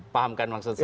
paham kan maksud saya